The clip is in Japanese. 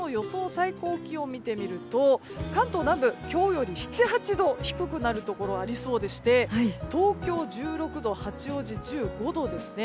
最高気温を見てみると関東南部、今日より７８度低くなるところありそうでして東京１６度八王子１５度ですね。